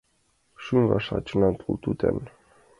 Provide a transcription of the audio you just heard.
Шӱм вашла — чонан тул тӱтан.